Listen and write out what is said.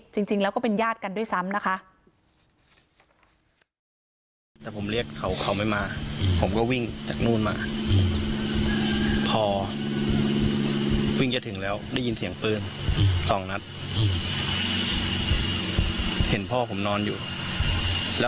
จริงแล้วก็เป็นญาติกันด้วยซ้ำนะคะ